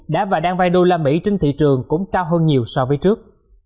đã và đang vai usd trên thị trường cũng cao hơn nhiều so với trước